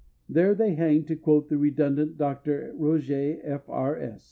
There they hang to quote the redundant Dr. Roget, F. R.